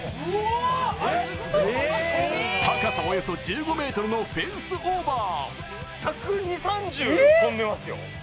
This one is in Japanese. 高さおよそ１５ｍのフェンスオーバー。